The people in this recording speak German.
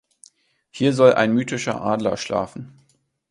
Hier soll ein mythischer Adler schlafen.